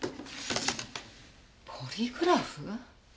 ポリグラフ？